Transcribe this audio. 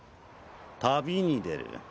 旅に出る。